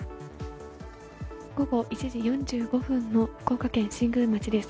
午後１時４５分の福岡県新宮町です。